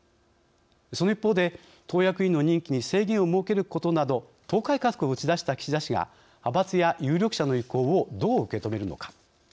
その一方で、党役員の任期に制限を設けることなど党改革を打ち出した岸田氏が派閥や有力者の意向をどう受け止めるのか。